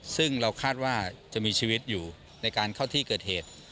ซึ่งเราคาดว่าจะมีชีวิตอยู่ในการเข้าที่เกิดเหตุ